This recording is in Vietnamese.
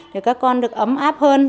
để các con được ấm áp hơn